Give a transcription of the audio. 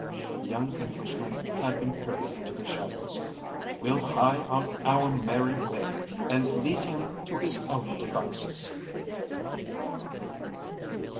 The young Englishman had been peering into the shadows. "We'll hie on our merry way and leave him to his own devices."